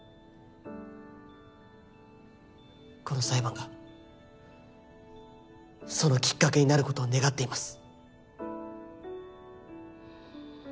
この裁判がそのきっかけになることを願っています。